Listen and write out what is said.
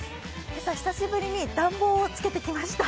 今朝、久しぶりに暖房をつけてきました。